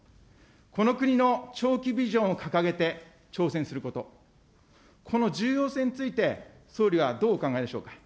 この国の長期ビジョンを掲げて挑戦すること、この重要性について、総理はどうお考えでしょうか。